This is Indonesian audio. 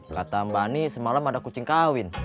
kata mbak ani semalam ada kucing kawin